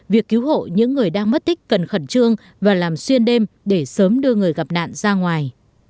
việc cứu hộ những người đang mất tích cần khẩn trương và làm xuyên đêm để sớm đưa người gặp nạn ra ngoài